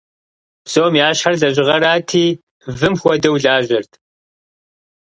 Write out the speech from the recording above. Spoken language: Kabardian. Псом ящхьэр лэжьыгъэрати, вым хуэдэу лажьэрт.